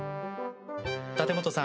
立本さん